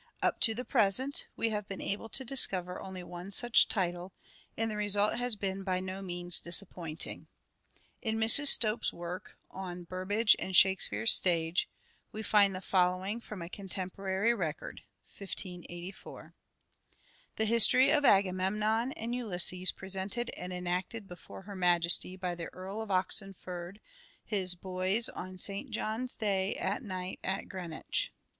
Up to the present we have been able to discover only one such title, and the result has been by no means disappointing. In Mrs. Stopes's work on " Burbage and Shake peare's Stage " we find the following from a con temporary record (1584). ' The History of Agamemnon and Ulisses presented and enacted before her maiestie by the Earle of Oxenford his boyes on St. John's daie at night at Greenwich."